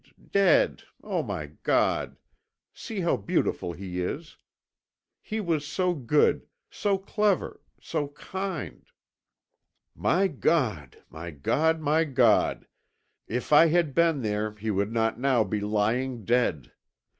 dead! O my God! See how beautiful he is. He was so good, so clever, so kind. My God! My God! My God! If I had been there he would not now be lying dead.